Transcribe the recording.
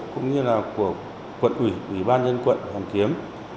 cũng như là của quận ủy ủy ban dân quận hoàn kiếm